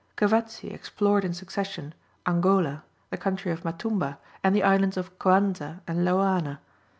Cavazzi explored in succession Angola, the country of Matumba, and the islands of Coanza and Loana.